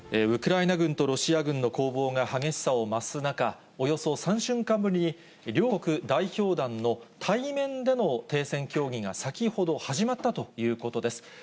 ウクライナ軍とロシア軍の攻防が激しさを増す中、およそ３週間ぶりに、両国代表団の対面での停戦協議が、先ほど始まったということです。